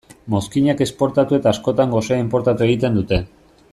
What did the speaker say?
Mozkinak esportatu eta askotan gosea inportatu egiten dute.